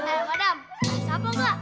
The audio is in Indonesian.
eh adam siapa gak